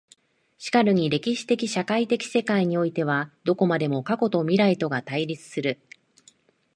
然るに歴史的社会的世界においてはどこまでも過去と未来とが対立する。